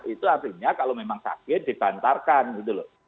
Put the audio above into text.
itu artinya kalau memang sakit dibantarkan gitu loh